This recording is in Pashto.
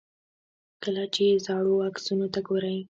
کله چې زاړو عکسونو ته ګورئ.